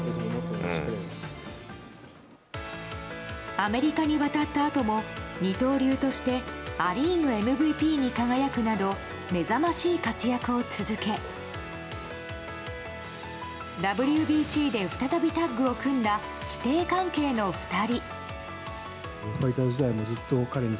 アメリカに渡ったあとも二刀流としてア・リーグＭＶＰに輝くなど目覚ましい活躍を続けＷＢＣで再びタッグを組んだ師弟関係の２人。